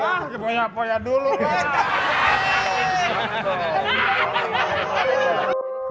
ah kepoya poya dulu kan